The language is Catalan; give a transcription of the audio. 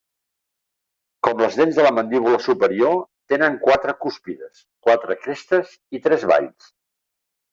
Com les dents de la mandíbula superior, tenen quatre cúspides, quatre crestes i tres valls.